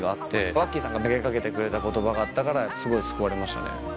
ワッキーさんが投げかけてくれた言葉があったからすごい救われましたね。